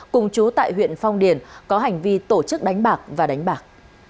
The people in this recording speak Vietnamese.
cùng chú tại huyện phong điền có hành vi tổ chức đánh bạc và đánh bạc